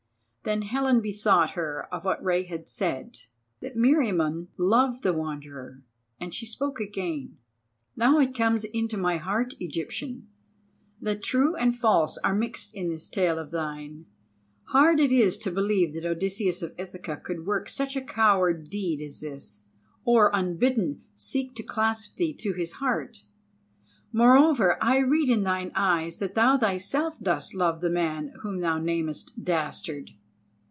Then Helen bethought her of what Rei had said, that Meriamun loved the Wanderer, and she spoke again: "Now it comes into my heart, Egyptian, that true and false are mixed in this tale of thine. Hard it is to believe that Odysseus of Ithaca could work such a coward deed as this, or, unbidden, seek to clasp thee to his heart. Moreover, I read in thine eyes that thou thyself dost love the man whom thou namest dastard.